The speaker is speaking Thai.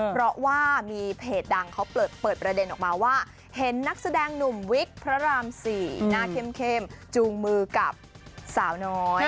เพราะว่ามีเพจดังเขาเปิดประเด็นออกมาว่าเห็นนักแสดงหนุ่มวิกพระราม๔หน้าเข้มจูงมือกับสาวน้อย